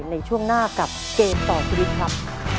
ในช่วงหน้ากับเกมต่อชีวิตครับ